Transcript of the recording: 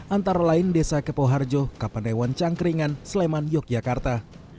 antara lain desa kepoharjo kapanewan cangkeringan sleman yogyakarta